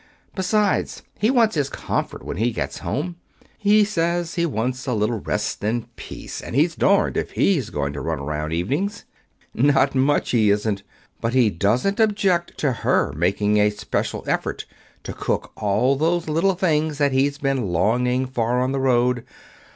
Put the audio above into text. Besides, he wants his comfort when he gets home. He says he wants a little rest and peace, and he's darned if he's going to run around evenings. Not much, he isn't! But he doesn't object to her making a special effort to cook all those little things that he's been longing for on the road.